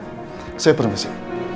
sama sama saya permisi